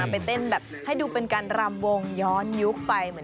ไปเต้นแบบให้ดูเป็นการรำวงย้อนยุคไป